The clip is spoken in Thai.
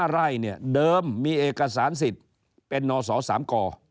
๕ไร่เนี่ยเดิมมีเอกสารสิทธิ์เป็นนศ๓ก